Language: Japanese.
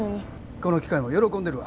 この機械も喜んでるわ。